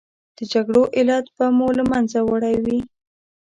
د جګړو علت به مو له منځه وړی وي.